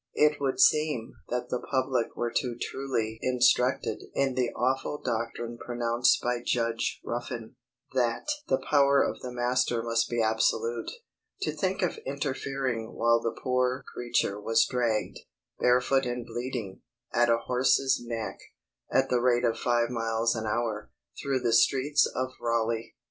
It would seem that the public were too truly instructed in the awful doctrine pronounced by Judge Ruffin, that "THE POWER OF THE MASTER MUST BE ABSOLUTE," to think of interfering while the poor creature was dragged, barefoot and bleeding, at a horse's neck, at the rate of five miles an hour, through the streets of Raleigh.